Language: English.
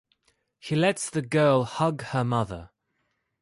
He lets the girl hug her mother.